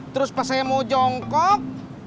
terus pas saya mau jongkok